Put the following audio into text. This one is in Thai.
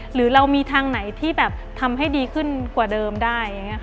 หรือเรามีทางไหนที่ทำให้ดีขึ้นกว่าเดิมได้